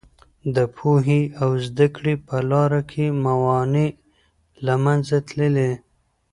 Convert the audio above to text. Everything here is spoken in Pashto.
د پوهې او زده کړې په لاره کې موانع له منځه تللي.